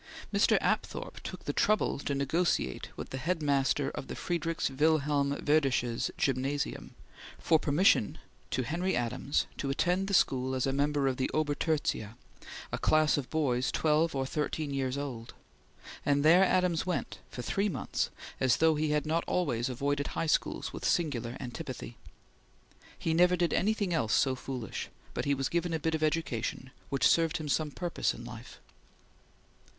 Mr. Apthorp took the trouble to negotiate with the head master of the Friedrichs Wilhelm Werdersches Gymnasium for permission to Henry Adams to attend the school as a member of the Ober tertia, a class of boys twelve or thirteen years old, and there Adams went for three months as though he had not always avoided high schools with singular antipathy. He never did anything else so foolish but he was given a bit of education which served him some purpose in life.